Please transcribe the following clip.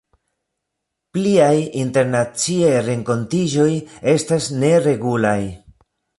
Pliaj internaciaj renkontiĝoj estas neregulaj.